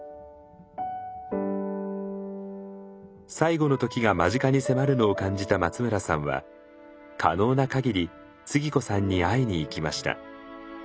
最後の時が間近に迫るのを感じた松村さんは可能な限りつぎ子さんに会いに行きました。